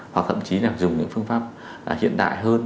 hoặc thậm chí là dùng những phương pháp hiện đại hơn